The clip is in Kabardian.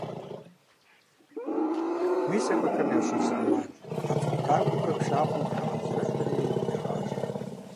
Мис абыхэм ящыщ зы Ӏэмал: Абдж къутахуэхэр пшахъуэм хагъэзэрыхьри ягъажьэ.